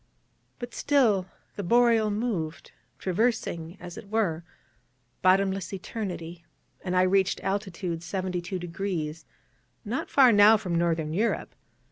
But still the Boreal moved, traversing, as it were, bottomless Eternity: and I reached latitude 72°, not far now from Northern Europe.